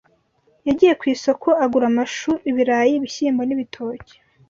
Yagiye ku isoko agura amashu ibirayi ibishyimbo n’ibitoki